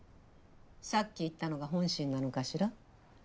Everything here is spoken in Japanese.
さっき言ったのが本心なのかしら？